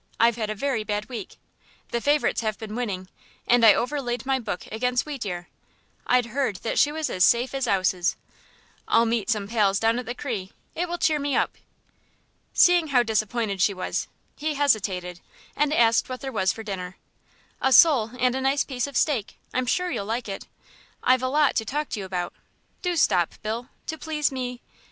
I've had a very bad week. The favourites has been winning, and I overlaid my book against Wheatear; I'd heard that she was as safe as 'ouses. I'll meet some pals down at the 'Cri'; it will cheer me up." Seeing how disappointed she was, he hesitated, and asked what there was for dinner. "A sole and a nice piece of steak; I'm sure you'll like it. I've a lot to talk to you about. Do stop, Bill, to please me."